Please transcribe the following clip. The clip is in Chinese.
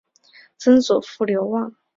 曾祖父刘旺。